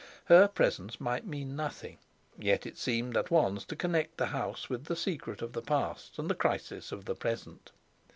Her presence might mean nothing, yet it seemed at once to connect the house with the secret of the past and the crisis of the present.